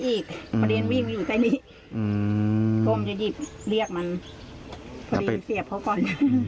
พอดีเสียบเขาก่อน